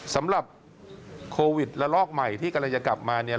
สำหรับโควิดระลอกใหม่ที่กำลังจะกลับมาเนี่ย